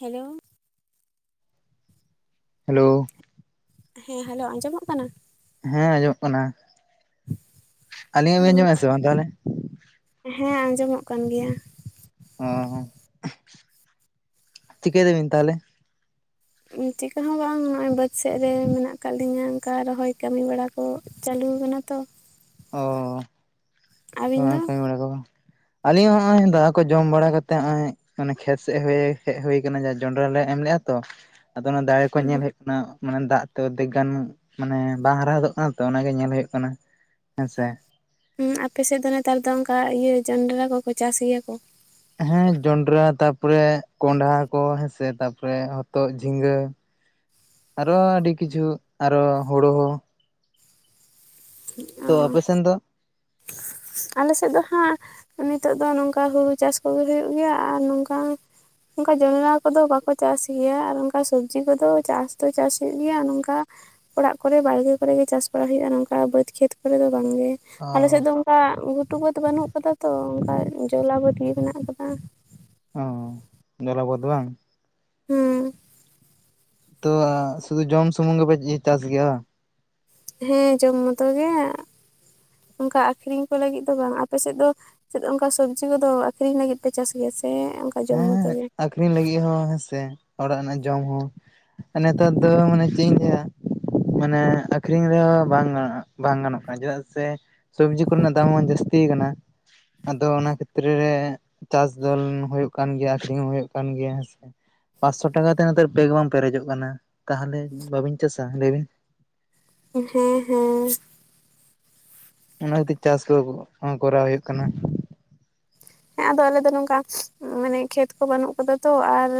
Hello, hello, ᱦᱮᱸ hello, ᱟᱸᱡᱚᱢᱚᱜ ᱠᱟᱱᱟ? ᱦᱮᱸ ᱟᱸᱡᱚᱢᱚᱜ ᱠᱟᱱᱟ, ᱟᱹᱞᱤᱧᱟᱜ ᱵᱤᱱ ᱟᱸᱡᱚᱢᱮᱼᱟ, ᱥᱮ ᱵᱟᱝ ᱛᱟᱦᱟᱞᱮ? ᱦᱮᱸ ᱟᱸᱡᱚᱢᱚᱜ ᱠᱟᱱ ᱜᱮᱭᱟ᱾ ᱚ, ᱪᱤᱠᱟᱹᱭ ᱫᱟᱵᱤᱱ ᱛᱟᱦᱟᱞᱮ? ᱪᱤᱠᱟ ᱦᱚᱸ ᱵᱟᱝ, ᱱᱚᱜᱚᱭ ᱵᱟᱹᱫᱽ ᱥᱮᱫ ᱨᱮ ᱢᱮᱱᱟᱜ ᱠᱟᱫ ᱞᱤᱧᱟᱹ, ᱚᱱᱠᱟ ᱨᱚᱦᱚᱭ ᱠᱟᱹᱢᱤ ᱵᱟᱲᱟ᱾ ᱠᱚ ᱪᱟᱹᱞᱩ ᱠᱟᱱᱟ ᱛᱚ᱾ ᱚ ᱟᱹᱵᱤᱱ ᱫᱚ [unintelligible] ᱠᱟᱹᱢᱤ ᱵᱟᱲᱟ ᱠᱚ ᱵᱟᱝ ᱟᱞᱤᱧ ᱦᱚᱸ ᱦᱚᱸᱜ-ᱚᱭ ᱫᱟᱠᱟ ᱠᱚ ᱡᱚᱢ ᱵᱟᱲᱟ ᱠᱟᱛᱮ ᱦᱚᱸᱜ-ᱚᱭ ᱚᱱᱮ ᱠᱷᱮᱛ [unintelligible] ᱦᱮᱡ ᱦᱳᱭ ᱠᱟᱱᱟ, ᱡᱟᱸᱦᱟ ᱡᱚᱱᱰᱽᱨᱟ ᱞᱮ ᱮᱢ ᱞᱮᱜᱼᱟ ᱛᱚ ᱟᱫᱚ ᱚᱱᱟ ᱫᱟᱲᱮ ᱠᱚ ᱧᱮᱞ ᱦᱳᱭᱳᱜ ᱚᱱᱟ ᱢᱟᱱᱮ ᱫᱟᱜ ᱛᱮ ᱚᱫᱫᱷᱮᱠ ᱜᱟᱱ ᱢᱟᱱᱮ ᱵᱟᱝ ᱦᱟᱨᱟ ᱦᱚᱫᱚᱜ ᱠᱟᱱᱟ ᱛᱚ ᱚᱱᱟᱜᱮ ᱧᱮᱞ ᱦᱳᱭᱳᱜ ᱠᱟᱱᱟ ᱦᱮᱸ ᱥᱮ᱾ ᱦᱮᱸ ᱟᱯᱮᱥᱮᱫ ᱫᱚ ᱱᱮᱛᱟᱨ ᱫᱚ ᱚᱱᱠᱟ ᱤᱭᱟᱹ ᱡᱟᱱᱰᱽᱨᱟ ᱠᱚ ᱠᱚ ᱪᱟᱥ ᱜᱮᱭᱟ ᱠᱚ? ᱦᱮᱸ ᱡᱚᱱᱰᱽᱨᱟ ᱛᱟᱯᱚᱨᱮ ᱠᱚᱸᱰᱷᱟ ᱠᱚ ᱦᱮᱸ ᱥᱮ, ᱛᱟᱯᱚᱨᱮ ᱦᱚᱛᱚᱫ ᱡᱷᱤᱸᱜᱟᱹ᱾ [unintelligible] ᱟᱨᱚ ᱟᱹᱰᱤ ᱠᱤᱪᱷᱩ ᱟᱨᱚ ᱦᱳᱲᱳ ᱦᱚᱸ᱾ [unintelligible] ᱛᱚ ᱚᱯᱮ ᱥᱮᱱ ᱫᱚ? ᱟᱞᱮ ᱥᱮᱫ ᱫᱚ ᱦᱟᱸᱜ ᱱᱤᱛᱚᱜ ᱫᱚ ᱱᱚᱝᱠᱟ ᱦᱩᱲᱩ ᱪᱟᱥ ᱠᱚ ᱜᱮ ᱦᱩᱭᱩᱜ ᱜᱮᱭᱟ ᱟᱨ ᱱᱚᱝᱠᱟ ᱚᱝᱠᱟ ᱡᱚᱱᱨᱟ ᱠᱚ ᱫᱚ ᱵᱟᱠᱚ ᱪᱟᱥ ᱜᱮᱭᱟ ᱟᱨ ᱚᱱᱠᱟ ᱥᱚᱵᱡᱤ ᱠᱚ ᱫᱚ ᱪᱟᱥ ᱫᱚ ᱪᱟᱥ ᱦᱳᱭᱳᱜ ᱜᱤᱭᱟ ᱱᱚᱝᱠᱟ ᱚᱲᱟᱜ ᱠᱚ ᱨᱮ ᱵᱟᱲᱜᱮ ᱠᱚᱨᱮ ᱜᱮ ᱪᱟᱥ ᱵᱟᱲᱟ ᱦᱳᱭᱳᱜᱼᱟ ᱱᱚᱝᱠᱟ ᱵᱟᱹᱫᱽ ᱠᱷᱮᱛ ᱠᱚ ᱨᱮ ᱫᱚ ᱵᱟᱝ ᱜᱮ᱾ ᱚ ᱟᱞᱮ ᱥᱮᱫ ᱫᱚ ᱚᱝᱠᱟ ᱜᱷᱩᱴᱩ ᱵᱟᱹᱫᱽ ᱵᱟᱹᱱᱩᱜ ᱠᱟᱫᱟ ᱛᱚ ᱚᱝᱠᱟ ᱡᱚᱞᱟ ᱵᱟᱹᱫ ᱜᱮ ᱢᱮᱱᱟᱜ ᱠᱟᱫᱟ᱾ ᱚ ᱡᱚᱞᱟ ᱵᱟᱹᱫᱽ ᱵᱟᱝ? ᱦᱩᱸ᱾ ᱛᱚ ᱮᱸᱷ ᱥᱩᱫᱷᱩ ᱡᱚᱢ ᱥᱩᱢᱩᱝ ᱜᱮ ᱯᱮ ᱤᱭᱟᱹ ᱪᱟᱥ ᱜᱮᱭᱟ ᱵᱟᱝ? ᱦᱮᱸ ᱡᱚᱢ ᱢᱚᱛᱚ ᱜᱮ ᱚᱝᱠᱟ ᱟᱠᱷᱨᱤᱧ ᱠᱚ ᱞᱟᱹᱜᱤᱫ ᱫᱚ ᱵᱟᱝ ᱟᱯᱮ ᱥᱮᱫ ᱫᱚ ᱪᱮᱫ ᱚᱱᱠᱟ ᱥᱚᱵᱽᱡᱤ ᱠᱚ ᱫᱚ ᱟᱠᱷᱨᱤᱧ ᱞᱟᱹᱜᱤᱫ ᱯᱮ ᱪᱟᱥ ᱜᱮᱭᱟ ᱥᱮ? ᱡᱚᱢ ᱦᱮᱸ ᱢᱚᱛᱚ ᱜᱮ ᱟᱠᱷᱨᱤᱧ ᱞᱟᱹᱜᱤᱫ ᱦᱚᱸ ᱦᱮᱸ ᱥᱮ ᱚᱲᱟᱜ ᱨᱮᱱᱟᱜ ᱡᱚᱢ ᱦᱚᱸ᱾ ᱱᱮᱛᱟᱨ ᱫᱚ ᱢᱟᱱᱮ ᱪᱮᱫ ᱤᱧ ᱞᱟᱹᱭᱟ? ᱢᱟᱱᱮ ᱟᱠᱷᱨᱤᱧ ᱨᱮ ᱦᱚᱸ ᱵᱟᱝ ᱜᱟᱱ-ᱚᱜ ᱵᱟᱝ ᱜᱟᱱᱚᱜ ᱠᱟᱱᱟ ᱪᱮᱫᱟᱜ ᱥᱮ? ᱥᱚᱵᱽᱡᱤ ᱠᱚᱨᱮᱱᱟᱜ ᱫᱟᱢ ᱦᱚᱸ ᱡᱟᱹᱥᱛᱤ ᱠᱟᱱᱟ᱾ ᱟᱫᱚ ᱚᱱᱟ ᱠᱷᱮᱛᱛᱨᱮ ᱨᱮ ᱪᱟᱥ ᱫᱚ ᱦᱳᱭᱳᱜ ᱠᱟᱱ ᱜᱮᱭᱟ ᱟᱹᱠᱷᱨᱤᱧ ᱦᱚᱸ ᱦᱳᱭᱳᱜ ᱠᱟᱱ ᱜᱮᱭᱟ ᱦᱮᱸ ᱥᱮ ᱯᱟᱸᱥ-ᱥᱚ ᱴᱟᱠᱟ ᱛᱮ ᱱᱮᱛᱟᱨ ᱵᱮᱜᱽ ᱵᱟᱝ ᱯᱮᱨᱮᱡᱚᱜ ᱠᱟᱱᱟ, ᱛᱟᱦᱟᱞᱮ ᱵᱟᱵᱤᱱ ᱪᱟᱥᱟ ᱞᱟᱹᱭ ᱵᱤᱱ? ᱦᱮᱸ ᱦᱮᱸ᱾ ᱚᱱᱟ ᱠᱷᱟᱹᱛᱤᱨ ᱪᱟᱥ ᱠᱩ ᱠᱚᱨᱟᱣ ᱦᱩᱭᱩᱜ ᱠᱟᱱᱟ᱾ ᱦᱮᱸ ᱟᱫᱚ ᱟᱞᱮ ᱫᱚ ᱱᱚᱝᱠᱟ ᱢᱟᱱᱮ ᱠᱷᱮᱛ ᱠᱚ ᱵᱟᱹᱱᱩᱜ ᱠᱟᱫᱟ ᱛᱚ ᱟᱨ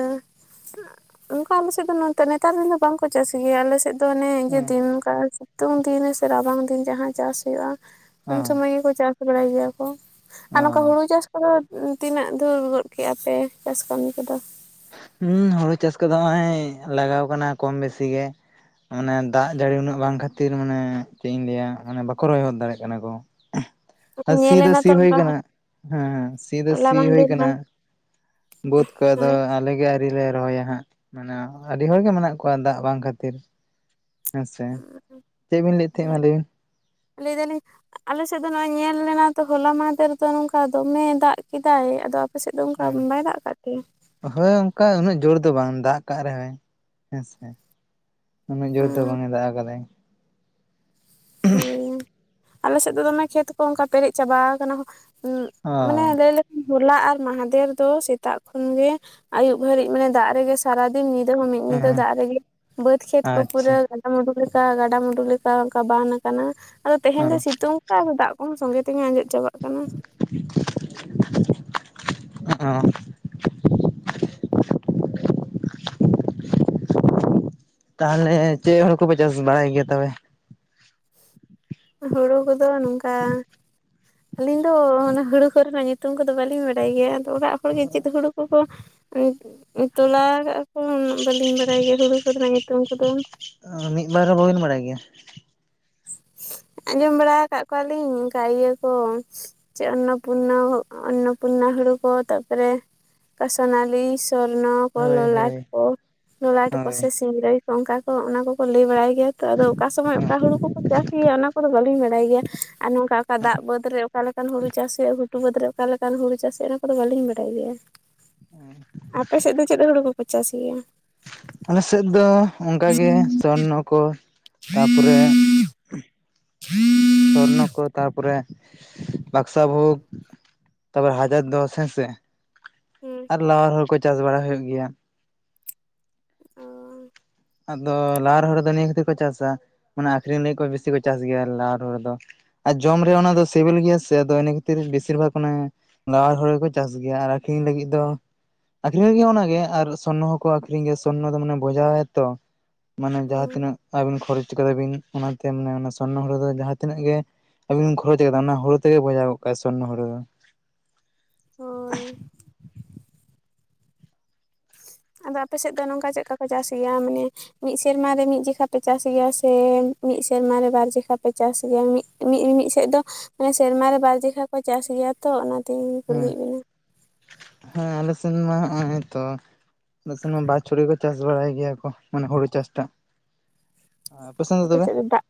ᱚᱝᱠᱟ ᱟᱞᱮ ᱥᱮᱫ ᱫᱚ ᱱᱚᱱᱛᱮ ᱱᱮᱛᱟᱨ ᱫᱤᱱ ᱫᱚ ᱵᱟᱝᱠᱩ ᱪᱟᱥ ᱜᱮᱭᱟ ᱟᱞᱮ ᱥᱮᱫ᱾ ᱫᱚ ᱦᱟᱱᱮ ᱤᱭᱟᱹ ᱦᱮᱸ ᱫᱤᱱ ᱚᱱᱠᱟ ᱥᱤᱛᱩᱝ ᱫᱤᱱ ᱥᱮ ᱨᱟᱵᱟᱝ ᱫᱤᱱ ᱡᱟᱦᱟᱸ ᱪᱟᱥ ᱦᱩᱭᱩᱜᱼᱟ ᱩᱱ ᱚ ᱥᱳᱢᱳᱭ ᱜᱮ ᱠᱚ ᱪᱟᱥ ᱵᱟᱲᱟᱭ ᱜᱮᱭᱟ ᱠᱚ ᱟᱨ ᱱᱚᱝᱠᱟ ᱚ ᱦᱩᱲᱩ ᱪᱟᱥ [unintelligible] ᱛᱤᱱᱟᱹᱜ ᱫᱷᱩᱨ ᱜᱚᱫ ᱠᱮᱜᱼᱟᱯᱮ ᱪᱟᱥ ᱠᱟᱹᱢᱤ ᱠᱚ ᱫᱚ? ᱦᱩᱸ ᱦᱳᱲᱳ ᱪᱟᱥ ᱠᱚ ᱫᱚ ᱦᱚᱸᱜ-ᱚᱭ ᱞᱟᱜᱟᱣ ᱠᱟᱱᱟ ᱠᱚᱢ ᱵᱮᱥᱤ ᱜᱮ, ᱢᱟᱱᱮ ᱫᱟᱜ ᱡᱟᱹᱲᱤ ᱩᱱᱟᱹᱜ ᱵᱟᱝ ᱠᱷᱟᱹᱛᱤᱨ ᱢᱟᱱᱮ ᱪᱮᱫ ᱤᱧ ᱞᱟᱹᱭᱟ ᱢᱟᱱᱮ ᱵᱟᱠᱚ ᱨᱚᱦᱦᱚᱭ ᱫᱟᱲᱮᱭᱟᱜ ᱠᱟᱱᱟ ᱠᱚ᱾ ᱩᱸᱷ ᱮ ᱥᱤ ᱫᱚ ᱧᱮᱞᱮᱱᱟ ᱥᱤ ᱛᱚ ᱦᱳᱭ ᱚᱱᱠᱟ ᱠᱟᱱᱟ ᱦᱩᱸ, ᱥᱤ ᱫᱚ ᱦᱚᱞᱟ ᱥᱤ ᱦᱳᱭ ᱢᱟᱦᱫᱮᱨ ᱢᱟ ᱠᱟᱱᱟ ᱵᱟᱹᱛ ᱠᱚᱫᱚ᱾ ᱦᱳᱭ ᱟᱞᱮ ᱜᱮ ᱟᱭᱨᱤ ᱞᱮ ᱨᱚᱦᱚᱭᱟ ᱦᱟᱸᱜ ᱢᱟᱱᱮ ᱟᱹᱰᱤ ᱦᱚᱲ ᱜᱮ ᱢᱮᱱᱟᱜ ᱠᱚᱣᱟ ᱫᱟᱜ ᱵᱟᱝ ᱠᱷᱟᱹᱛᱤᱨ ᱦᱮᱸ ᱥᱮ᱾ᱪᱮᱫ ᱵᱤᱱ ᱞᱟᱹᱭᱮᱫ ᱛᱟᱦᱮᱸᱫ ᱢᱟ ᱞᱟᱹᱭ ᱵᱤᱱ? ᱞᱟᱹᱭ ᱫᱟᱞᱤᱧ ᱟᱞᱮ ᱥᱮᱫ ᱫᱚ ᱱᱚᱜᱼᱚᱭ ᱧᱮᱞ ᱞᱮᱱᱟ ᱛᱚ ᱦᱚᱞᱟ ᱢᱟᱦᱫᱷᱮᱨ ᱫᱚ ᱱᱚᱝᱠᱟ ᱫᱚᱢᱮ ᱫᱟᱜ ᱠᱮᱫᱟᱭ ᱟᱫᱚ ᱟᱯᱮᱥᱮᱫ ᱫᱚ ᱚᱱᱠᱟ ᱵᱟᱭ ᱫᱟᱜ ᱠᱟᱜ ᱛᱮ? ᱦᱳᱭ ᱚᱱᱠᱟ ᱩᱱᱟᱹᱜ ᱡᱳᱨ ᱫᱚ ᱵᱟᱝ ᱫᱟᱜ ᱠᱟᱜ ᱨᱮᱦᱚᱸᱭ ᱦᱮᱸ ᱥᱮ, ᱩᱱᱟᱹᱜ ᱡᱳᱨ ᱫᱚ ᱵᱟᱝ ᱮ ᱫᱟᱜ ᱟᱠᱟᱫᱟᱭ᱾ ᱦᱳᱭ [unintelligible] ᱟᱞᱮ ᱥᱮᱫ ᱫᱚ ᱫᱚᱢᱮ ᱠᱷᱮᱛ ᱠᱚ ᱚᱝᱠᱟ ᱯᱮᱨᱮᱡ ᱪᱟᱵᱟ ᱠᱟᱱᱟ, ᱚ ᱢᱟᱱᱮ ᱞᱟᱹᱭ ᱞᱮ ᱦᱚᱞᱟ ᱟᱨ ᱢᱟᱦᱟᱫᱮᱨ ᱫᱚ ᱥᱮᱛᱟᱜ ᱠᱷᱚᱱ ᱜᱮ ᱟᱹᱭᱩᱵ ᱦᱟᱹᱨᱤᱡ ᱢᱟᱱᱮ ᱫᱟᱜ ᱨᱮ ᱜᱮ ᱥᱟᱨᱟᱫᱤᱱ ᱧᱤᱫᱟᱹ ᱦᱚᱸ ᱢᱤᱫ ᱧᱤᱫᱟᱹ ᱦᱮᱸ ᱫᱟᱜ ᱨᱮ ᱜᱮ, ᱵᱟᱹᱫᱽ ᱠᱷᱮᱛ ᱠᱚ ᱯᱩᱨᱟᱹ ᱟᱪᱪᱷᱟ [unintelligible] ᱢᱩᱰᱩ ᱞᱮᱠᱟ, ᱜᱟᱰᱟ ᱢᱩᱰᱩᱠ ᱞᱮᱠᱟ ᱚᱝᱠᱟ ᱵᱟᱱ ᱟᱠᱟᱱᱟ, ᱟᱫᱚ ᱚ ᱛᱮᱦᱮᱧ ᱫᱚ ᱥᱤᱛᱩᱝ ᱠᱟᱜ-ᱟ ᱟᱨ ᱫᱟᱜ ᱠᱚᱦᱚᱸ ᱥᱚᱸᱜᱮ ᱛᱮᱜᱮ ᱟᱸᱡᱮᱫ ᱪᱟᱵᱟᱜ ᱠᱟᱱᱟ᱾ ᱦᱚᱸᱜ-ᱚᱸ᱾ ᱛᱟᱦᱚᱞᱮ ᱪᱮᱫ ᱦᱳᱲᱳ ᱠᱚᱯᱮ ᱪᱟᱥ ᱵᱟᱲᱟᱭ ᱜᱮᱭᱟ ᱛᱚᱵᱮ? ᱦᱩᱲᱩ ᱠᱩᱫᱚ ᱱᱚᱝᱠᱟ ᱟᱹᱞᱤᱧ ᱫᱚ ᱚᱱᱟ ᱦᱩᱲᱩ ᱠᱚ ᱨᱮᱱᱟᱜ ᱧᱩᱛᱩᱢ ᱠᱩᱫᱚ ᱵᱟᱹᱞᱤᱧ ᱵᱟᱰᱟᱭ ᱜᱮᱭᱟ ᱟᱫᱚ ᱚᱲᱟᱜ ᱦᱚᱲ ᱜᱮ ᱪᱮᱫ ᱦᱩᱲᱩ ᱠᱚᱠᱚ, ᱛᱚᱞᱟ ᱟᱠᱟᱜ ᱠᱚ ᱩᱱᱟᱹᱜ ᱵᱟᱞᱤᱧ ᱵᱟᱲᱟᱭ ᱜᱮᱭᱟ ᱦᱩᱲᱩ ᱠᱚ ᱨᱮᱱᱟᱜ ᱧᱩᱛᱩᱢ ᱠᱚᱫᱚ᱾ ᱚ ᱢᱤᱫ ᱵᱟᱨ ᱦᱚᱸ ᱵᱟᱹᱵᱤᱱ ᱵᱟᱲᱟᱭ ᱜᱮᱭᱟ? ᱟᱸᱡᱚᱢ ᱵᱟᱲᱟ ᱠᱟᱜ ᱠᱚᱣᱟᱞᱤᱧ ᱚᱝᱠᱟ ᱤᱭᱟᱹ ᱠᱚ, ᱪᱮ ᱚᱱᱱᱚᱯᱩᱨᱱᱚ, ᱚᱱᱱᱚᱯᱩᱨᱱᱟ ᱦᱩᱲᱩ ᱠᱚ ᱛᱟᱨᱯᱚᱨᱮ, ᱚᱝᱠᱟ ᱥᱚᱱᱟᱞᱤ, ᱥᱚᱨᱱᱚ ᱠᱚ, ᱦᱳᱭ ᱞᱳᱞᱟᱴ ᱦᱳᱭ᱾ ᱠᱚ, ᱞᱳᱞᱟᱴ ᱠᱚ ᱦᱳᱭ ᱥᱮ ᱥᱤᱝᱨᱟᱹᱭ ᱛᱚ ᱚᱝᱠᱟ ᱠᱚ ᱚᱱᱟ ᱠᱚᱠᱚ ᱞᱟᱹᱭ ᱵᱟᱲᱟᱭ ᱜᱮᱭᱟ ᱛᱚ, ᱟᱫᱚ ᱚᱠᱟ ᱥᱚᱢᱚᱭ ᱚᱠᱟ ᱦᱩᱲᱩ ᱠᱚ ᱪᱟᱥ ᱜᱮᱭᱟ ᱚᱱᱟ ᱠᱚᱫᱚ ᱵᱟᱹᱞᱤᱧ ᱵᱟᱲᱟᱭ ᱜᱮᱭᱟ, ᱟᱨ ᱱᱚᱝᱠᱟ ᱚᱠᱟ ᱫᱟᱜ ᱵᱟᱹᱫᱽ ᱨᱮ ᱚᱠᱟ ᱞᱮᱠᱟᱱ ᱦᱩᱲᱩ ᱪᱟᱥ ᱦᱩᱭᱩᱜᱼᱟ ᱜᱷᱩ ᱴᱩ ᱵᱟᱹᱫᱽ ᱨᱮ ᱚᱠᱟ ᱞᱮᱠᱟᱱ ᱦᱩᱲᱩ ᱪᱟᱥ ᱦᱩᱭᱩᱜ-ᱟ ᱚᱱᱟ ᱠᱚᱫᱚ ᱵᱟᱹᱞᱤᱧ ᱵᱟᱰᱟᱭ ᱜᱮᱭᱟ᱾ ᱟᱯᱮ ᱥᱮᱫ ᱫᱚ ᱪᱮᱫ ᱦᱩᱲᱩ ᱠᱚ ᱯᱮ ᱪᱟᱥ ᱜᱮᱭᱟ? ᱟᱞᱮ ᱥᱮᱫ ᱫᱚ ᱚᱝᱠᱟ ᱜᱮ ᱥᱚᱨᱱᱚ ᱠᱚ, ᱛᱟᱯᱚᱨᱮ ᱦᱮᱸ [unintelligible] ᱥᱚᱨᱱᱚ ᱠᱚ ᱛᱟᱯᱚᱨᱮ, ᱵᱟᱫᱥᱟ ᱵᱷᱳᱜᱽ ᱠᱚ ᱛᱚᱵᱮ ᱦᱟᱡᱟᱨ ᱫᱚᱥ ᱦᱮᱸ ᱥᱮ, ᱦᱮᱸ ᱟᱨ ᱞᱟᱣᱟᱨ ᱦᱚᱲᱩ ᱠᱩ ᱪᱟᱥ ᱵᱟᱲᱟ ᱦᱩᱭᱩᱜ ᱜᱮᱭᱟ᱾ ᱚ ᱟᱫᱚ ᱞᱟᱣᱟᱨ ᱦᱚᱲᱩ ᱫᱚ ᱱᱤᱭᱟᱹ ᱠᱷᱟᱹᱛᱤᱨ ᱠᱚ ᱪᱟᱥᱟ ᱢᱟᱱᱮ ᱟᱠᱷᱨᱤᱧ ᱞᱟᱹᱜᱤᱫ ᱠᱚ ᱵᱮᱥᱤ ᱠᱚ ᱪᱟᱥ ᱜᱮᱭᱟ ᱞᱟᱣᱟᱨ ᱦᱩᱲᱩ ᱫᱚ᱾ ᱟᱨ ᱡᱚᱢ ᱨᱮ ᱚᱱᱟ ᱫᱚ ᱥᱤᱵᱤᱞ ᱜᱮᱭᱟ ᱥᱮ ᱟᱫᱚ ᱤᱱᱟᱹ ᱠᱷᱟᱹᱛᱤᱨ ᱵᱮᱥᱤᱨ ᱵᱷᱟᱜᱽ ᱚᱱᱮ ᱞᱟᱣᱟᱨ ᱦᱚᱲᱩ ᱠᱚ ᱪᱟᱥ ᱜᱮᱭᱟ ᱟᱨ ᱟᱠᱷᱨᱤᱧ ᱞᱟᱹᱜᱤᱫ ᱫᱚ ᱟᱠᱷᱨᱤᱧ ᱞᱟᱹᱜᱤᱜ ᱦᱚᱸ ᱚᱱᱟᱜᱮ ᱟᱨ ᱥᱚᱨᱱᱚ ᱦᱚᱸ ᱠᱚ ᱟᱹᱠᱷᱨᱤᱧ ᱜᱮᱭᱟ ᱥᱚᱨᱱᱚ ᱫᱚ ᱢᱟᱱᱮ [unintelligible] ᱛᱚ᱾ ᱢᱟᱱᱮ ᱦᱮᱸ ᱡᱟᱦᱟᱸ ᱛᱤᱱᱟᱹᱜ ᱟᱵᱤᱱ ᱠᱷᱚᱨᱚᱪ ᱠᱟᱫᱟ ᱵᱤᱱ ᱚᱱᱟᱛᱮ ᱢᱟᱱᱮ ᱚᱱᱟ ᱥᱚᱨᱱᱚ ᱦᱩᱲᱩ ᱫᱚ ᱡᱟᱦᱟᱸ ᱛᱤᱱᱟᱹᱜ ᱜᱮ ᱟᱵᱤᱱ ᱠᱷᱚᱨᱚᱪ ᱟᱠᱟᱫᱟ ᱚᱱᱟ ᱦᱩᱲᱩ ᱛᱮ ᱜᱮ ᱵᱚᱡᱷᱟᱣ ᱜᱚᱜ ᱠᱟᱜ-ᱟᱭ ᱥᱚᱨᱱᱚᱩ ᱦᱩᱲᱩ ᱫᱚ᱾ ᱦᱳᱭ᱾ ᱟᱫᱚ ᱟᱯᱮ ᱥᱮᱫ ᱫᱚ ᱱᱚᱝᱠᱟ ᱪᱮᱫᱠᱟ ᱠᱚ ᱪᱟᱥ ᱜᱮᱭᱟ ᱢᱟᱱᱮ ᱢᱤᱫ ᱥᱮᱨᱢᱟ ᱨᱮ ᱢᱤᱫ ᱡᱚᱠᱷᱟ ᱯᱮ ᱪᱟᱥ ᱜᱮᱭᱟ ᱥᱮ ᱢᱤᱫ ᱥᱮᱨᱢᱟ ᱨᱮ ᱵᱟᱨ ᱡᱚᱠᱷᱟ ᱯᱮ ᱪᱟᱥ ᱜᱮᱭᱟ? ᱢᱤᱫ ᱢᱤᱜ ᱢᱤᱜ ᱥᱮᱫ ᱫᱚ ᱢᱟᱱᱮ ᱥᱮᱨᱢᱟ ᱨᱮ ᱵᱟᱨ ᱡᱚᱜᱷᱟ ᱠᱚ ᱪᱟᱥ ᱜᱮᱭᱟ ᱛᱚ ᱚᱱᱟᱛᱤᱧ ᱦᱮᱸ ᱠᱩᱞᱤᱭᱮᱫ ᱵᱤᱱᱟ ᱾ ᱦᱮᱸ ᱟᱞᱮ ᱥᱮᱱ ᱢᱟ ᱦᱚᱸᱜ-ᱚᱭ ᱛᱚ [unintelligible] ᱵᱟ ᱪᱷᱩᱲᱩᱭ ᱠᱚ ᱪᱟᱥ ᱵᱟᱲᱟᱭ ᱜᱮᱭᱟ ᱠᱚ ᱢᱟᱱᱮ ᱦᱩᱲᱩ ᱪᱟᱥ ᱴᱟᱜ᱾ ᱟᱨ ᱟᱯᱮ ᱥᱮᱫ ᱫᱚ ᱫᱟᱜ,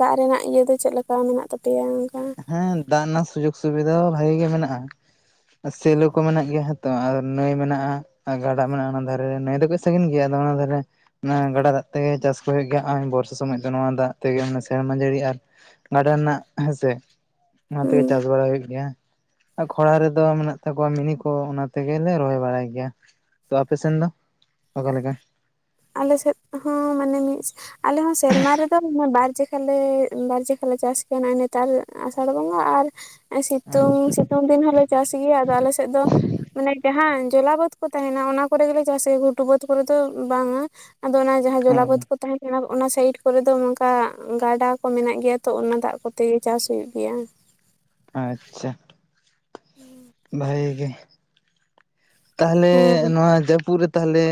ᱫᱟᱜ ᱨᱮᱱᱟᱜ ᱤᱭᱟᱹ ᱫᱚ ᱪᱮᱫ ᱞᱮᱠᱟ ᱢᱮᱱᱟᱜ ᱛᱟᱯᱮᱭᱟ ᱚᱝᱠᱟ? ᱦᱮᱸ ᱫᱟᱜ ᱨᱮᱱᱟᱜ ᱥᱩᱡᱳᱜᱽ ᱥᱩᱵᱤᱫᱷᱟ ᱵᱷᱟᱜᱤ ᱜᱮ ᱢᱮᱱᱟᱜ-ᱟ ᱾ ᱟᱨ ᱥᱮᱞᱚ ᱠᱚ ᱢᱮᱱᱟᱜ ᱜᱮᱭᱟ ᱦᱚᱸ ᱛᱚ ᱟᱨ ᱱᱟᱹᱭ ᱢᱮᱱᱟᱜ-ᱟ ᱾ ᱟᱨ ᱜᱟᱰᱟ ᱢᱮᱱᱟᱜ-ᱟ ᱚᱱᱟ ᱫᱷᱟᱨᱮ ᱱᱟᱹᱭ ᱫᱚ ᱠᱟᱹᱡ ᱥᱟᱺᱜᱤᱧ ᱜᱮᱭᱟ ᱟᱫᱚ ᱚᱱᱟ ᱫᱷᱟᱨᱮ ᱚᱱᱟ ᱜᱟᱰᱟ ᱫᱟᱜ ᱛᱮᱜᱮ ᱪᱟᱥ ᱠᱚ ᱦᱩᱭᱩᱜ ᱜᱮᱭᱟ, ᱦᱚᱸᱜ-ᱚᱭ ᱵᱚᱨᱥᱟ ᱥᱚᱢᱚᱡ ᱫᱚ ᱱᱚᱣᱟ ᱫᱟᱜ ᱛᱮᱜᱮ ᱚᱱᱟ ᱥᱮᱨᱢᱟ ᱡᱟᱹᱲᱤ ᱟᱨ ᱜᱟᱰᱟ ᱨᱮᱱᱟᱜ ᱦᱮᱸ ᱥᱮ, ᱚᱱᱟ ᱛᱮᱜᱮ ᱦᱩᱸ ᱪᱟᱥ ᱵᱟᱲᱟ ᱦᱩᱭᱩᱜ ᱜᱮᱭᱟ ᱾ ᱟᱨ ᱠᱷᱚᱨᱟ ᱨᱮᱫᱚ ᱢᱮᱱᱟᱜ ᱛᱟᱠᱚᱣᱟ ᱢᱤᱱᱤ ᱠᱚ ᱚᱱᱟ ᱛᱮᱜᱮᱞᱮ ᱨᱚᱦᱚᱭ ᱵᱟᱲᱟᱭ ᱜᱮᱭᱟ ᱾ ᱛᱚ ᱟᱯᱮ ᱥᱮᱱ ᱫᱚ ᱚᱠᱟᱞᱮᱠᱟ? ᱟᱞᱮ ᱥᱮᱫ ᱦᱚᱸ ᱢᱟᱱᱮ ᱢᱤᱫ ᱟᱞᱮ ᱦᱚᱸ ᱥᱮᱨᱢᱟ ᱨᱮᱫᱚ ᱵᱟᱨ ᱡᱮ ᱮᱸ ᱵᱟᱨᱡᱮᱠᱟᱞᱮ ᱪᱟᱥ ᱜᱮᱭ ᱱᱮᱛᱟᱨ ᱟᱥᱟᱲ ᱵᱚᱸᱜᱟ ᱟᱨ ᱥᱤᱛᱩᱝ ᱥᱤ ᱛᱩᱝ ᱫᱤᱱ ᱦᱚᱸᱞᱮ ᱪᱟᱥ ᱜᱮᱭᱟ ᱟᱫᱚ ᱟᱞᱮ ᱥᱮᱫ ᱫᱚ ᱢᱟᱱᱮ ᱡᱟᱦᱟᱸ ᱡᱚᱞᱟ ᱵᱟᱹᱛ ᱠᱚ ᱛᱟᱦᱮᱱᱟ ᱚᱱᱟ ᱠᱚᱨᱮ ᱜᱮᱞᱮ ᱪᱟᱥᱟ ᱜᱷᱩᱴᱩ ᱵᱟᱹᱫᱽ ᱠᱚᱨᱮ ᱫᱚ ᱵᱟᱝ-᱾ᱟ ᱟᱫᱚ ᱚᱱᱟ ᱡᱟᱦᱟᱸ ᱡᱚᱞᱟ ᱵᱟᱹᱛ ᱠᱚ ᱛᱟᱦᱮᱱ ᱚᱱᱟ ᱚᱱᱟ ᱥᱟᱭᱤᱰ ᱠᱚᱨᱮ ᱫᱚ ᱱᱚᱝᱠᱟ ᱜᱟᱰᱟ ᱠᱚ ᱢᱮᱱᱟᱜ ᱜᱮᱭᱟ ᱛᱚ ᱚᱱᱟ ᱫᱟᱜ ᱠᱚᱛᱮ ᱜᱮ ᱪᱟᱥ ᱦᱳᱭᱳᱜᱼᱟ ᱜᱮᱭᱟ ᱾ ᱟᱪᱪᱷᱟ ᱾ [unintelligible] ᱵᱷᱟᱜᱮ ᱜᱮ, ᱛᱟᱦᱟᱞᱮ ᱦᱮᱸ ᱱᱚᱣᱟ ᱡᱟᱹᱯᱩᱫ ᱨᱮ ᱛᱟᱦᱟᱞᱮ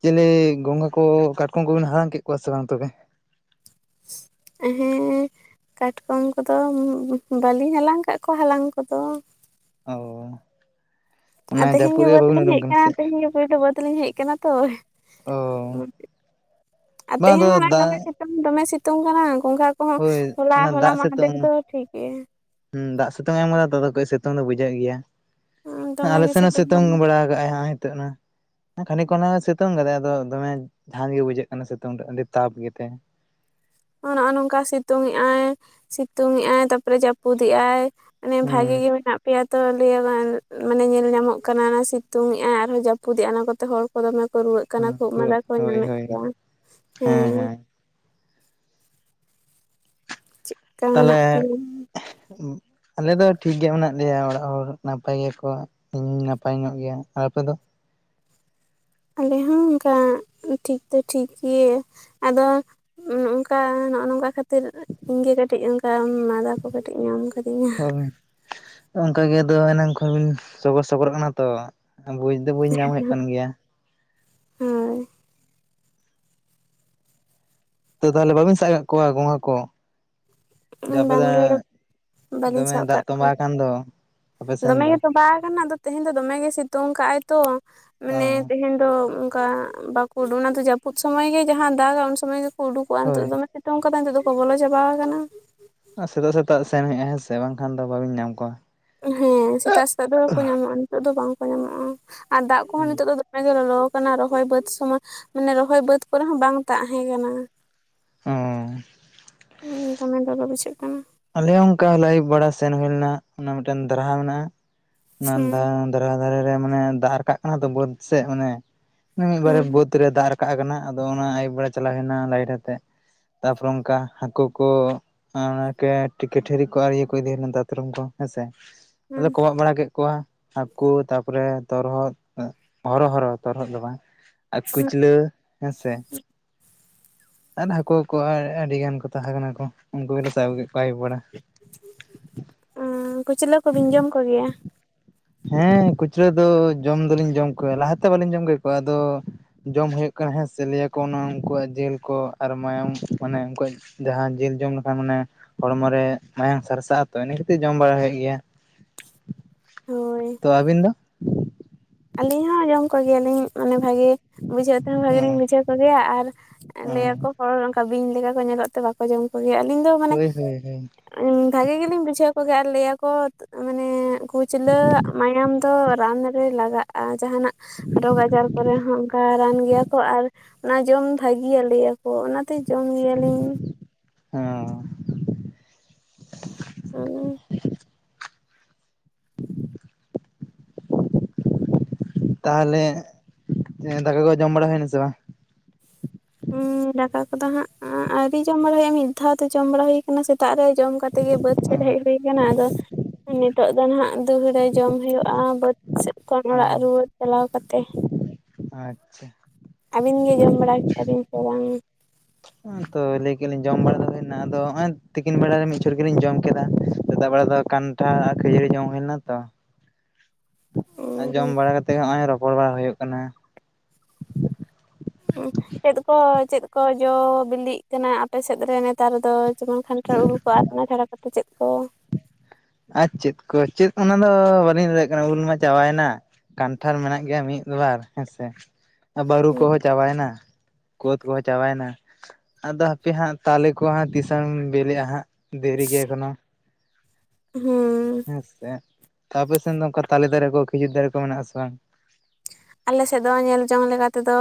ᱧᱮᱞᱮ ᱜᱚᱝᱜᱟ ᱠᱚ ᱠᱟᱴᱠᱚᱢ ᱠᱚᱵᱮᱱ ᱦᱟᱞᱟᱝ ᱠᱮᱫ ᱠᱚᱣᱟ ᱥᱮ ᱵᱟᱝ ᱛᱚᱵᱮ? ᱦᱮᱸ ᱾ ᱠᱟᱴᱠᱚᱢ ᱠᱚᱫᱚ ᱵᱟᱹᱞᱤᱧ ᱦᱟᱞᱟᱝ ᱠᱟᱜ ᱠᱚᱣᱟ ᱦᱟᱞᱟᱝ ᱠᱚᱫᱚ᱾ ᱚ ᱾ ᱟᱨ ᱛᱮᱦᱮᱧ ᱜᱮ ᱵᱟᱹᱫᱽ ᱞᱤᱧ ᱩᱰᱩᱝ ᱦᱮᱡ ᱠᱟᱱᱟ ᱥᱮ ᱟᱠᱟᱱᱟ ᱛᱮᱦᱮᱧ ᱜᱮ ᱯᱳᱭᱞᱳ ᱵᱟᱹᱫᱽ ᱞᱤᱧ ᱦᱮᱡ ᱠᱟᱱᱟ ᱛᱚ ᱚ ᱾ ᱟᱨ ᱵᱟᱝ ᱛᱮᱦᱮᱧ ᱟᱫᱚ ᱢᱟ ᱠᱟᱢᱤ ᱫᱟᱜ ᱠᱟᱱ ᱛᱚᱝ ᱫᱚᱢᱮ ᱥᱤᱛᱩᱝ ᱠᱟᱱᱟ ᱜᱚᱝᱜᱷᱟ ᱠᱚᱦᱚᱸ ᱦᱳᱭ ᱦᱚᱞᱟ ᱚᱱᱟ ᱦᱚᱞᱟ ᱫᱟᱜ ᱢᱟᱦᱟᱫᱮᱨ ᱫᱚ ᱥᱤᱛᱩᱝ ᱴᱷᱤᱠ ᱜᱮ᱾ ᱦᱩᱸ ᱫᱟᱜ ᱥᱤᱛᱩᱝ ᱮᱢ ᱠᱟᱫᱟ ᱛ ᱠᱟᱹᱡ ᱥᱤᱛᱩᱝ ᱫᱚ ᱵᱩᱡᱷᱟᱹᱜ ᱜᱮᱭᱟ ᱫᱚᱢᱮ ᱟᱞᱮ ᱜᱮ ᱥᱮᱱ ᱦᱚᱸ ᱥᱤᱛᱩᱝ ᱠᱟᱱᱟ ᱵᱮᱲᱟ ᱞᱟᱜ ᱟᱭ ᱦᱤᱛᱚᱜ ᱱᱟ ᱾ ᱠᱷᱟᱱᱤᱠ ᱠᱷᱚᱱ ᱦᱟᱜ ᱥᱤᱛᱩᱝ ᱠᱟᱫᱟᱭ ᱟᱫᱚ ᱫᱚᱢᱮ ᱡᱟᱷᱟᱡ ᱜᱮ ᱵᱩᱡᱷᱟᱹᱜ ᱠᱟᱱᱟ ᱥᱤᱛᱩᱝ ᱨᱮ ᱟᱹᱰᱤ ᱛᱟᱯ ᱜᱮᱛᱮ᱾ ᱱᱚᱜᱼᱚᱭ ᱱᱚᱝᱠᱟ ᱥᱤᱛᱩᱝ ᱮᱜᱼᱟᱭ ᱥᱤᱛᱩᱝ ᱮᱜᱼᱟᱭ ᱛᱟᱨᱯᱚᱨᱮ ᱡᱟᱹᱯᱩᱫᱮᱜᱼᱟᱭ᱾ ᱢᱟᱱᱮ ᱵᱷᱟᱜᱮ ᱜᱮ ᱦᱩᱸ ᱢᱮᱱᱟᱜ ᱯᱮᱭᱟ᱾ ᱛᱚ ᱞᱟᱹᱭ ᱢᱟᱱᱮ ᱧᱮᱞ ᱧᱟᱢᱚᱜ ᱠᱟᱱᱟ ᱥᱤᱛᱩᱝ ᱮᱜᱼᱟᱭ ᱟᱨᱦᱚᱸ ᱡᱟᱹᱯᱩᱫᱼᱟ ᱚᱱᱟ ᱠᱚᱛᱮ ᱦᱚᱲ ᱠᱚ ᱫᱚᱢᱮ ᱠᱚ ᱨᱩᱣᱟᱹᱜ ᱠᱟᱱᱟ ᱾ ᱠᱟᱱᱟ ᱠᱷᱳᱜ ᱦᱳᱭ ᱢᱟᱸᱫᱟ ᱠᱚ ᱦᱳᱭ ᱧᱟᱢᱮᱫ ᱦᱳᱭ ᱠᱚᱣᱟ ᱦᱮᱸ ᱾ ᱪᱮᱫᱠᱟ ᱢᱮᱱᱟᱜ ᱛᱟᱞᱦᱮ ᱯᱮᱭᱟ ᱟᱞᱮ ᱫᱚ ᱴᱷᱤᱠ ᱜᱮ ᱢᱮᱱᱟᱜ ᱞᱮᱭᱟ ᱚᱲᱟᱜ ᱦᱚᱲ ᱱᱟᱯᱟᱭ ᱜᱮᱭᱟ ᱠᱚ ᱤᱧ ᱦᱚᱧ ᱱᱟᱯᱟᱭ ᱧᱚᱜ ᱜᱮᱭᱟ, ᱟᱨ ᱟᱯᱮ ᱫᱚ? ᱟᱞᱮ ᱦᱚᱸ ᱚᱝᱠᱟ ᱴᱷᱤᱠ ᱫᱚ ᱴᱷᱤᱠ ᱜᱮ ᱟᱫᱚ ᱱᱚᱝᱠᱟ ᱱᱚᱜᱼᱚ ᱱᱚᱝᱠᱟ ᱠᱷᱟᱹᱛᱤᱨ ᱤᱧᱜᱮ ᱠᱟᱹᱴᱤᱡ ᱚᱱᱠᱟ ᱢᱟ ᱢᱟᱸᱫᱟ ᱠᱚ ᱠᱟᱹᱴᱤᱡ ᱧᱟᱢ ᱠᱟᱹᱫᱤᱧᱟ ᱾ ᱚᱝᱠᱟ ᱜᱮ ᱟᱫᱚ ᱮᱱᱟᱝ ᱠᱷᱚᱱ ᱵᱤᱱ ᱥᱚᱜᱚᱨ ᱥᱚᱜᱚᱨᱚᱜ ᱠᱟᱱᱟ ᱛᱚ᱾ ᱵᱩᱡ ᱫᱚ ᱵᱟᱹᱧ ᱧᱟᱢ ᱦᱩᱭᱩᱜ ᱠᱟᱱ ᱜᱮᱭᱟ ᱾ ᱦᱳᱭ ᱛᱚ ᱛᱟᱦᱚᱞᱮ ᱵᱟᱹᱵᱤᱱ ᱥᱟᱵ ᱠᱟ ᱠᱚᱣᱟ ᱜᱚᱝᱜᱷᱟ ᱠᱚ? ᱡᱮ ᱩᱸ ᱟᱯᱮ ᱵᱮᱝ ᱫᱚ ᱜᱮ ᱭᱳ ᱾ ᱵᱟᱹᱞᱤᱧ ᱥᱟᱵ ᱫᱚᱢᱮ ᱫᱟᱜ ᱠᱟᱜ ᱠᱚᱣᱟ, ᱛᱚᱸᱵᱟ ᱟᱠᱟᱱ ᱫᱚ ᱟᱯᱮ ᱫᱚᱢᱮ ᱥᱮᱱ ᱫᱚ ᱜᱮ ᱛᱚᱸᱵᱟ ᱠᱟᱱᱟ ᱟᱫᱚ ᱛᱮᱦᱮᱧ ᱫᱚᱢᱮ ᱜᱮ ᱥᱤᱛᱩᱝ ᱠᱟᱜ ᱟᱭ ᱛᱚ ᱚ ᱢᱟᱱᱮ ᱛᱮᱦᱮᱱ ᱫᱚ ᱚᱝᱠᱟ ᱵᱟᱠᱚ ᱩᱰᱩᱠᱚᱜ ᱚᱱᱟ ᱫᱚ ᱡᱟᱹᱯᱩᱫ ᱥᱚᱢᱚᱭ ᱜᱮ ᱡᱟᱦᱟᱸ ᱫᱟᱜᱟ ᱩᱱ ᱥᱚᱢᱚᱭ ᱜᱮᱠᱚ ᱩᱰᱩᱠᱚᱜᱼᱟ ᱦᱳᱭ ᱱᱤᱛᱚᱜ ᱫᱚᱢᱮ ᱛᱳᱝ ᱠᱟᱫᱟᱭ ᱱᱤᱛᱚᱜ ᱫᱚ ᱠᱚ ᱵᱚᱞᱚ ᱪᱟᱵᱟ ᱠᱟᱱᱟ᱾ ᱟᱨ ᱥᱮᱛᱟᱜ ᱥᱮᱛᱟᱜ ᱥᱮᱱ ᱦᱩᱭᱩᱜᱼᱟ ᱦᱮᱸ ᱥᱮ, ᱵᱟᱝᱠᱷᱟᱱ ᱫᱚ ᱵᱟᱹᱵᱤᱱ ᱧᱟᱢ ᱠᱚᱣᱟ᱾ ᱦᱮᱸ, ᱥᱮᱛᱟᱜ ᱥᱮᱛᱟᱜ ᱫᱚ ᱠᱚ ᱧᱟᱢᱚᱜᱼᱟ᱾ ᱱᱤᱛᱚᱜ ᱫᱚ ᱵᱟᱝᱠᱚ ᱧᱟᱢᱚᱜᱼᱟ ᱟᱨ ᱫᱟᱜ ᱠᱚᱦᱚᱸ ᱦᱩᱸ ᱱᱤᱛᱚᱜ ᱫᱚ ᱢᱮ ᱜᱮ ᱞᱚᱞᱚ ᱠᱟᱱᱟ᱾ ᱨᱚᱦᱚᱭ ᱵᱟᱹᱫᱽ ᱥᱚᱢᱚᱭ ᱢᱟᱱᱮ ᱨᱚᱦᱚᱭ ᱵᱟᱹᱫᱽ ᱠᱚᱨᱮ ᱦᱚᱸ ᱵᱟᱝ ᱛᱟᱦᱮᱸ ᱠᱟᱱᱟ᱾ ᱚ ᱦᱩᱸ, ᱫᱚᱢᱮ ᱞᱚᱞᱚ ᱵᱩᱡᱷᱟᱹᱜ ᱠᱟᱱᱟ᱾ ᱟᱞᱮ ᱦᱚᱸ ᱚᱝᱠᱟ ᱟᱞᱮ ᱟᱹᱭᱩᱵ ᱵᱮᱲᱟ ᱥᱮᱱ ᱦᱩᱭᱳ ᱞᱮᱱᱟ, ᱚᱱᱟ ᱢᱤᱫᱴᱟᱝ ᱫᱟᱨᱦᱟ ᱢᱮᱱᱟᱜᱼᱟ᱾ ᱚᱱᱟ ᱫᱟ ᱦᱩᱸ [unintelligible] ᱫᱷᱟᱨᱟ ᱫᱷᱟᱨᱮ ᱨᱮ, ᱢᱟᱱᱮ ᱫᱟᱜ ᱨᱟᱠᱟᱵ ᱠᱟᱱᱟ ᱛᱚ ᱵᱟᱹᱫ ᱥᱮᱫ᱾ ᱢᱟᱱᱮ ᱢᱤᱫ ᱵᱟᱨᱮ ᱦᱩᱸ ᱵᱟᱹᱛ ᱛᱨᱮ ᱫᱟᱜ ᱨᱟᱠᱟᱵ ᱠᱟᱱᱟ᱾ ᱟᱫᱚ ᱚᱱᱟ ᱟᱭᱩᱵ ᱵᱮᱲᱟ ᱪᱟᱞᱟᱣ ᱦᱩᱭ ᱞᱮᱱᱟ, ᱞᱟᱭᱤᱴ ᱟᱛᱮᱜ᱾ ᱛᱟᱯᱚᱨᱮ ᱚᱱᱠᱟ ᱦᱟᱹᱠᱩ ᱠᱚ [unintelligible] ᱴᱷᱤᱠᱟᱹ ᱴᱷᱤᱨᱤ ᱠᱚ ᱟᱨ ᱤᱭᱟᱹ ᱠᱚ ᱤᱫᱤ ᱞᱮᱱᱟ ᱫᱟᱛᱨᱚᱢ ᱠᱚ ᱦᱮᱸᱥᱮ। ᱟᱫᱚ ᱞᱮ ᱦᱩᱸ ᱠᱚᱢᱟᱜ ᱵᱟᱲᱟ ᱠᱮᱫ ᱠᱚᱣᱟ। ᱦᱟᱹᱠᱩ, ᱛᱟᱯᱚᱨᱮ ᱛᱚᱨᱦᱚᱫ, ᱦᱚᱨᱚ ᱦᱚᱨᱚ ᱛᱚᱨᱦᱚᱫ ᱫᱚ ᱵᱟᱝ। ᱟᱨ ᱠᱩᱪᱞᱟᱹ ᱦᱮᱸᱥᱮ। ᱟᱨ ᱦᱟᱹᱠᱩ ᱠᱚᱠᱚ ᱟᱹᱰᱤ ᱜᱟᱱ ᱠᱚ ᱛᱟᱦᱮᱸ ᱠᱟᱱᱟ ᱠᱚ। ᱩᱱᱠᱩ ᱜᱮᱞᱮ ᱥᱟᱵ ᱠᱮᱫ ᱠᱚᱣᱟ ᱟᱹᱭᱩᱵ ᱵᱮᱲᱟ। ᱚᱸᱻ, ᱠᱩᱪᱞᱟᱹ ᱠᱚᱵᱤᱱ ᱡᱚᱢ ᱠᱚᱜᱮᱭᱟ? ᱦᱮᱸ ᱠᱩᱪᱞᱟᱹ ᱫᱚ ᱡᱚᱢ ᱫᱚᱞᱤᱧ ᱡᱚᱢ ᱠᱚᱣᱟ। ᱞᱟᱦᱟᱛᱮ ᱵᱟᱹᱞᱤᱧ ᱡᱚᱢ ᱠᱮ ᱠᱚᱣᱟ। ᱟᱫᱚ ᱼᱼ ᱡᱚᱢ ᱦᱩᱭᱩᱜ ᱠᱟᱱᱟ ᱦᱮᱸ ᱥᱮ। ᱞᱟᱹᱭᱟ ᱠᱚ ᱚᱱᱟ ᱩᱱᱠᱩᱣᱟᱜ ᱡᱤᱞ ᱠᱚ, ᱟᱨ ᱢᱟᱭᱟᱢ। ᱢᱟᱱᱮ ᱩᱱᱠᱩᱣᱟᱜ ᱼᱼ ᱡᱟᱦᱟᱸ ᱡᱤᱞ ᱡᱚᱢ ᱞᱮᱠᱷᱟᱱ ᱢᱟᱱᱮ ᱦᱚᱲᱢᱚ ᱨᱮ ᱢᱟᱭᱟᱝ ᱥᱟᱨᱥᱟᱜᱼᱟ। ᱛᱚ, ᱤᱱᱟᱹ ᱠᱷᱟᱛᱤᱨ ᱡᱚᱢ ᱵᱟᱲᱟ ᱦᱩᱭᱩᱜ ᱜᱮᱭᱟ। ᱦᱳᱭ ᱛᱚ, ᱟᱹᱵᱤᱱ ᱫᱚ? ᱟᱹᱞᱤᱧ ᱦᱚᱸ ᱡᱚᱢ ᱠᱚᱜᱮᱭᱟᱞᱤᱧ। ᱢᱟᱱᱮ ᱵᱷᱟᱜᱮ ᱼᱼ ᱵᱩᱡᱷᱟᱹᱣ ᱛᱮᱦᱚᱸ ᱵᱷᱟᱜᱮ ᱞᱤᱧ ᱦᱮᱸ ᱵᱩᱡᱷᱟᱹᱣ ᱠᱚᱜᱮᱭᱟ। ᱟᱨ ᱦᱮᱸ ᱞᱟᱹᱭᱟᱠᱚ ᱦᱚᱲ, ᱚᱱᱠᱟ ᱵᱤᱧ ᱞᱮᱠᱟ ᱠᱚ ᱧᱮᱞᱚᱜ ᱛᱮ ᱵᱟᱠᱚ ᱼᱼ ᱡᱚᱢ ᱠᱚᱜᱮᱭᱟ। ᱟᱹᱞᱤᱧ ᱫᱚ ᱢᱟᱱᱮ ᱦᱳᱭ ᱦᱳᱭ ᱦᱳᱭ ᱼᱼ ᱵᱷᱟᱜᱤ ᱜᱮᱞᱤᱧ ᱵᱩᱡᱷᱟᱹᱣ ᱠᱚᱜᱮᱭᱟ। ᱟᱨ ᱞᱟᱹᱭᱟ ᱠᱚ ᱢᱟᱱᱮ ᱠᱩᱪᱞᱟᱹ ᱟᱜ ᱢᱟᱭᱟᱢ ᱼᱼ ᱛᱚ ᱨᱟᱱ ᱨᱮ ᱞᱟᱜᱟᱜᱼᱟ। ᱟᱨ ᱡᱟᱦᱟᱱᱟᱜ ᱨᱳᱜᱽ ᱟᱡᱟᱨ ᱠᱚᱨᱮ ᱦᱚᱸ ᱚᱱᱠᱟ ᱨᱟᱱ ᱜᱮᱭᱟ ᱠᱚ। ᱟᱨ ᱼᱼ ᱚᱱᱟ ᱡᱚᱢ ᱵᱷᱟᱹᱜᱮᱭᱟ ᱞᱟᱹᱭᱟᱠᱚ। ᱚᱱᱟᱛᱮ ᱡᱚᱢ ᱜᱮᱭᱟᱞᱤᱧ। ᱦᱚᱸᱻ। ᱦ [unintelligible] [inaudible] [inaudible] ᱛᱟᱦᱟᱞᱮ, ᱫᱟᱠᱟ ᱠᱚ ᱡᱚᱢ ᱵᱟᱲᱟ ᱦᱩᱭᱱᱟ ᱥᱮ ᱵᱟᱝ? ᱦᱩᱸᱻ, ᱫᱟᱠᱟ ᱠᱚᱫᱚ ᱦᱟᱸᱜ ᱟᱣᱨᱤ ᱡᱚᱢ ᱵᱟᱲᱟ ᱦᱩᱭᱩᱜᱼᱟ। ᱢᱤᱫ ᱫᱷᱟᱣ ᱛᱮ ᱡᱚᱢ ᱵᱟᱲᱟ ᱦᱩᱭ ᱼᱼ ᱠᱟᱱᱟ। ᱥᱮᱛᱟᱜ ᱨᱮ ᱡᱚᱢ ᱠᱟᱛᱮ ᱜᱮ ᱵᱟᱹᱫᱽ ᱥᱮᱫ ᱦᱮᱡ ᱦᱩᱭ ᱟᱠᱟᱱᱟ। ᱟᱫᱚ ᱱᱤᱛ ᱼᱼ ᱛᱚᱜ ᱫᱚ ᱱᱟᱦᱟᱜ, ᱫᱩᱦᱩᱲᱟᱹ ᱡᱚᱢ ᱦᱩᱭᱩᱜᱼᱟ। ᱵᱟᱹᱫᱽ ᱥᱮᱫ ᱠᱷᱚᱱ ᱚᱲᱟᱜ ᱨᱩᱣᱟᱹᱲ ᱪᱟᱞᱟᱣ ᱠᱟᱛᱮ। ᱟᱪᱪᱷᱟ। ᱟᱹᱵᱤᱱ ᱜᱮ ᱡᱚᱢ ᱵᱟᱲᱟ ᱠᱮᱜᱼᱟ ᱵᱤᱱ ᱥᱮ ᱵᱟᱝ? [unintelligible] ᱛᱚ ᱞᱟᱹᱭ ᱠᱮᱫ ᱞᱤᱧ ᱡᱚᱢ ᱵᱮᱲᱟ ᱫᱚ ᱦᱩᱭᱱᱟ। ᱟᱫᱚ ᱱᱚᱜᱚᱭ ᱛᱤᱠᱤᱱ ᱵᱮᱲᱟ ᱨᱮ ᱢᱤᱫ ᱪᱷᱚᱴ ᱜᱮᱞᱤᱧ ᱡᱚᱢ ᱠᱮᱫᱟ। ᱥᱮᱛᱟᱜ ᱵᱮᱲᱟ ᱫᱚ ᱠᱟᱱ ᱴᱷᱟᱲ ᱟᱨ ᱠᱷᱟᱹᱡᱟᱹᱲᱤ ᱡᱚᱝ ᱦᱩᱭ ᱞᱮᱱᱟ ᱛᱚ। [inaudible] ᱟᱨ ᱡᱚᱢ ᱵᱟᱲᱟ ᱠᱟᱛᱮ ᱦᱚᱸᱜᱼᱚᱭ ᱨᱚᱯᱚᱲ ᱵᱟᱲᱟ ᱦᱩᱭᱩᱜ ᱠᱟᱱᱟ। ᱪᱮᱫ ᱠᱚ ᱪᱮᱫ ᱠᱚ ᱡᱚ ᱵᱤᱞᱤᱜ ᱠᱟᱱᱟ? ᱟᱯᱮ ᱥᱮᱫ ᱨᱮ ᱱᱮ ᱛᱟᱨ ᱫᱚ ᱡᱮᱢᱚᱱ ᱠᱷᱟᱱᱴᱟᱲ ᱩᱞ ᱠᱚ। ᱟᱨ ᱚᱱᱟ ᱪᱷᱟᱲᱟ ᱠᱟᱛᱮᱫ ᱪᱮᱫ ᱠᱚ? ᱟᱨ ᱪᱮᱫ ᱠᱚ, ᱪᱮᱫ ᱚᱱᱟᱫᱚ ᱵᱟᱹᱞᱤᱧ ᱞᱟᱹᱭ ᱫᱟᱲᱮᱭᱟᱜ ᱠᱟᱱᱟ। ᱩᱞ ᱢᱟ ᱪᱟᱵᱟᱭᱮᱱᱟ। ᱠᱟᱱᱴᱷᱟᱲ ᱢᱮᱱᱟᱜ ᱜᱮᱭᱟ ᱢᱤᱫᱵᱟᱨ ᱦᱮᱸᱥᱮ। ᱵᱟᱹᱨᱩ ᱠᱚᱦᱚᱸ ᱪᱟᱵᱟᱭᱮᱱᱟ। ᱠᱳᱫᱽ ᱠᱚᱦᱚᱸ ᱪᱟᱵᱟᱭᱮᱱᱟ। ᱟᱫᱚ ᱦᱟᱯᱮ ᱦᱟᱸᱜ ᱛᱟᱞᱮ ᱠᱚ ᱦᱟᱸᱜ ᱛᱤᱥᱚᱝ ᱵᱮᱞᱮᱜᱼᱟ ᱦᱟᱸᱜ। ᱫᱮᱨᱤ ᱜᱮ ᱮᱠᱷᱚᱱᱳ। ᱦᱮᱸ। ᱦᱮᱸ ᱥᱮ। ᱟᱯᱮ ᱥᱮᱱ ᱫᱚ ᱚᱱᱠᱟ ᱛᱟᱞᱮ ᱫᱟᱨᱮ ᱠᱚ ᱠᱷᱤᱡᱩᱨ ᱫᱟᱨᱮ ᱠᱚ ᱢᱮᱱᱟᱜᱼᱟ ᱥᱮ ᱵᱟᱝ? ᱟᱞᱮ ᱥᱮᱫ ᱫᱚ ᱧᱮᱞ ᱡᱚᱝ ᱞᱮᱠᱟ ᱛᱮᱫᱚ,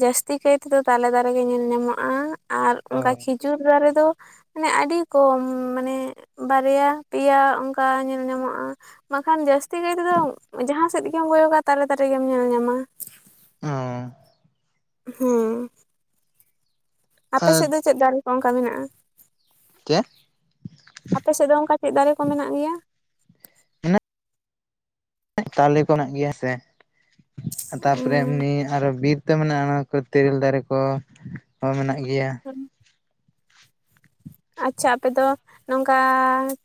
ᱡᱟᱹᱥᱛᱤ ᱠᱟᱭ ᱛᱮᱫᱚ ᱛᱟᱞᱮ ᱫᱟᱨᱮ ᱜᱮ ᱧᱮᱞ ᱧᱟᱢᱚᱜᱼᱟ। ᱟᱨ, ᱚ ᱚᱱᱠᱟ ᱠᱷᱤᱡᱩᱨ ᱫᱟᱨᱮ ᱫᱚ ᱼᱼ ᱢᱟᱱᱮ ᱟᱹᱰᱤ ᱠᱚᱢ। ᱢᱟᱱᱮ ᱵᱟᱨᱭᱟ ᱯᱮᱭᱟ ᱚᱱᱠᱟ ᱧᱮᱞ ᱧᱟᱢᱚᱜᱼᱟ। ᱵᱟᱠᱷᱟᱱ ᱡᱟᱹᱥᱛᱤ ᱠᱟᱭ ᱛᱮᱫᱚ, ᱡᱟᱦᱟᱸ ᱥᱮᱫ ᱜᱮᱢ ᱠᱚᱭᱚᱜᱟ, ᱛᱟᱞᱮ ᱫᱟᱨᱮ ᱜᱮᱢ ᱧᱮᱞ ᱧᱟᱢᱟ। ᱚᱸᱻ ᱦᱩᱸ ᱟᱯᱮ ᱥᱮᱫ ᱫᱚ ᱪᱮᱫ ᱫᱟᱨᱮ ᱠᱚ ᱚᱱᱠᱟ ᱪᱮᱫ ᱢᱮᱱᱟᱜᱼᱟ᱾ᱟᱯᱮ ᱥᱮᱫ ᱫᱚ ᱚᱱᱠᱟ ᱪᱮᱫ ᱫᱟᱨᱮ ᱠᱚ ᱢᱮᱱᱟᱜ ᱜᱮᱭᱟ? ᱢᱮᱱᱟᱜ ᱛᱟᱞᱮ ᱠᱚ ᱢᱮᱱᱟᱜ ᱜᱮᱭᱟ ᱦᱮᱸᱥᱮ ᱛᱟᱯᱚᱨᱮ ᱮᱢᱱᱤ ᱟᱨᱚ ᱵᱤᱨ ᱛᱮ ᱢᱮᱱᱟᱜᱼᱟ ᱚᱱᱟ ᱠᱚ ᱛᱮᱨᱮᱞ ᱫᱟᱨᱮ ᱠᱚ ᱢᱮᱱᱟᱜ ᱜᱮᱭᱟ ᱾ [unintelligible] ᱟᱪᱪᱷᱟ ᱟᱯᱮ ᱫᱚ ᱱᱚᱝᱠᱟ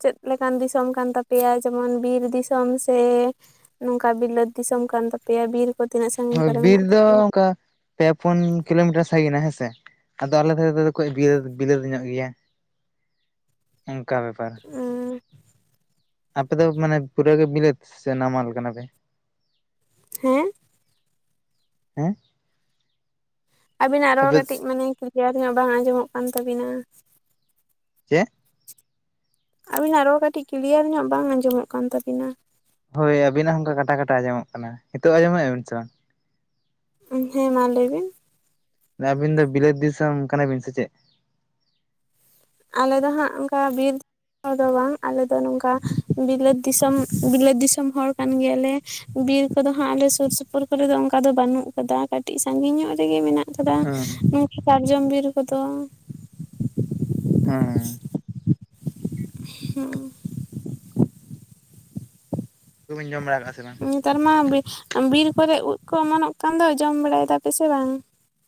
ᱪᱮᱫ ᱞᱮᱠᱟᱱ ᱫᱤᱥᱚᱢ ᱠᱟᱱ ᱛᱟᱯᱮᱭᱟ ᱡᱮᱢᱚᱱ ᱵᱤᱨ ᱫᱤᱥᱚᱢ ᱥᱮ ᱱᱚᱝᱠᱟ ᱵᱤᱞᱟᱹᱛ ᱫᱤᱥᱚᱢ ᱠᱟᱱ ᱛᱟᱯᱮᱭᱟ ᱵᱤᱨ ᱠᱚ ᱛᱤᱱᱟᱹᱜ ᱥᱟᱺᱜᱤᱧ ᱦᱳᱭ ᱠᱚᱨᱮ ᱵᱤᱨ ᱢᱮᱱᱟᱜ ᱫᱚ ᱛᱟᱯᱮᱭᱟ ᱚᱱᱠᱟ ᱯᱮ ᱯᱩᱱ ᱠᱤᱞᱳᱢᱤᱴᱟᱨ ᱥᱟᱸᱜᱤᱱᱟ ᱦᱮᱸᱥᱮ ᱾ ᱟᱫᱚ ᱟᱞᱮ ᱫᱚ ᱠᱟᱹᱡ [unintelligible] [unintelligible] ᱵᱤᱞᱟᱹᱫ ᱧᱚᱜ ᱜᱮᱭᱟ, ᱚᱱᱠᱟ ᱵᱮᱯᱟᱨ ᱾ ᱩᱸ ᱾ ᱟᱯᱮ ᱫᱚ ᱢᱟᱱᱮ ᱯᱩᱨᱟᱹ ᱜᱮ ᱵᱤᱞᱟᱹᱛ ᱥᱮ ᱱᱟᱢᱟᱞ ᱠᱟᱱᱟ ᱯᱮ? ᱦᱮᱸ? ᱦᱮᱸ? ᱟᱵᱤᱱᱟᱜ ᱨᱚᱲ ᱟᱯᱮ ᱠᱟᱹᱴᱤᱡ ᱢᱟᱱᱮ ᱠᱞᱤᱭᱟᱨ ᱧᱚᱜ ᱵᱟᱝ ᱟᱸᱡᱚᱢᱚᱜ ᱠᱟᱱ ᱛᱟᱹᱵᱤᱱᱟ ᱾ ᱪᱮᱜ? ᱟᱵᱤᱱᱟᱜ ᱨᱚᱲ ᱠᱟᱹᱴᱤᱡ ᱠᱞᱤᱭᱟᱨ ᱧᱚᱜ ᱵᱟᱝ ᱟᱸᱡᱚᱢᱚᱜ ᱠᱟᱱ ᱛᱟᱹᱵᱤᱱᱟ ᱾ ᱦᱳᱭ ᱟᱵᱤᱱᱟᱜ ᱦᱚᱸ ᱚᱱᱠᱟ ᱠᱟᱴᱟ ᱠᱟᱴᱟ ᱟᱸᱡᱚᱢᱚᱜ ᱠᱟᱱᱟ ᱾ ᱱᱤᱛᱚᱜ ᱟᱸᱡᱚᱢᱮᱜᱼᱟ ᱵᱤᱱ ᱥᱮ ᱵᱟᱝ? ᱦᱮᱸ ᱢᱟ ᱞᱟᱹᱭ ᱵᱤᱱ ᱾ ᱢᱟᱱᱮ ᱟᱹᱵᱤᱱ ᱫᱚ ᱵᱤᱞᱟᱹᱛ ᱫᱤᱥᱚᱢ ᱠᱟᱱᱟ ᱵᱤᱱ ᱥᱮ ᱪᱮᱫ? ᱟᱞᱮ ᱫᱚ ᱦᱟᱸᱜ ᱚᱝᱠᱟ ᱵᱤᱨ ᱦᱚᱲ ᱫᱚ ᱵᱟᱝ ᱟᱞᱮ ᱫᱚ ᱱᱚᱝᱠᱟ ᱵᱤᱞᱟᱹᱛ ᱫᱤᱥᱚᱢ ᱵᱤᱞᱟᱹᱛ ᱫᱤᱥᱚᱢ ᱦᱚᱲ ᱠᱟᱱ ᱜᱮᱭᱟᱞᱮ ᱾ ᱵᱤᱨ ᱠᱚᱫᱚ ᱦᱟᱸᱜ ᱟᱞᱮ ᱥᱩᱨ ᱥᱩᱯᱩᱨ ᱠᱚᱨᱮ ᱫᱚ ᱚᱝᱠᱟ ᱫᱚ ᱵᱟᱹᱱᱩᱜ ᱟᱠᱟᱫᱟ ᱠᱟᱹᱴᱤᱡ ᱥᱟᱺᱜᱤᱧ ᱧᱚᱜ ᱨᱮᱜᱮ ᱢᱮᱱᱟᱜ ᱠᱟᱫᱟ ᱦᱩᱸ ᱱᱚᱝᱠᱟ ᱥᱟᱨᱡᱚᱢ ᱵᱤᱨ ᱠᱚᱫᱚ ᱾ ᱦᱩᱸ ᱦᱮᱸ ᱾ [unintelligible] ᱡᱚᱢ ᱵᱟᱲᱟ ᱟᱠᱟᱜᱼᱟ ᱥᱮ ᱵᱟᱝ? ᱱᱮᱛᱟᱨ ᱢᱟ ᱵᱤ ᱵᱤᱨ ᱠᱚᱨᱮ ᱩᱫ ᱠᱚ ᱚᱢᱚᱱᱚᱜ ᱠᱟᱱ ᱫᱚ ᱡᱚᱢ ᱵᱟᱲᱟᱭ ᱫᱟᱯᱮ ᱥᱮ ᱵᱟᱝ?